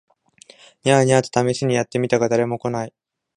ニャー、ニャーと試みにやって見たが誰も来ない